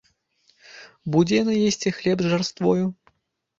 Будзе яна есці хлеб з жарствою?!